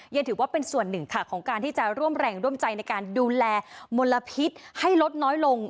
ยังถือว่าเป็นส่วนหนึ่งค่ะของการที่จะร่วมแรงร่วมใจในการดูแลมลพิษให้ลดน้อยลง